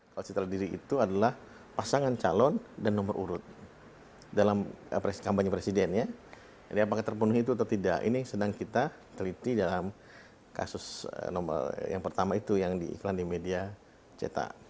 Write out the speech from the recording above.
kasus nomor yang pertama itu yang diiklan di media cetak